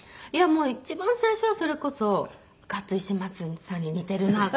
もう一番最初はそれこそ「ガッツ石松さんに似てるなあ」